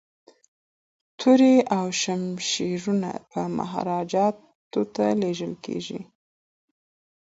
توري او شمشیرونه به مهاراجا ته لیږل کیږي.